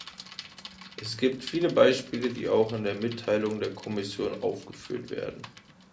Es gibt viele Beispiele, die auch in der Mitteilung der Kommission aufgeführt werden.